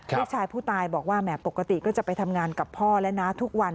ลูกชายผู้ตายบอกว่าแหมปกติก็จะไปทำงานกับพ่อแล้วนะทุกวัน